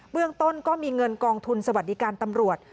เรื่องต้นก็มีเงินกองทุนสวัสดิการตำรวจ